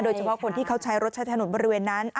โดยเฉพาะคนที่เขาใช้รถใช้ถนนบริเวณนั้น